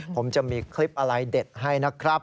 ผมจะมีคลิปอะไรเด็ดให้นะครับ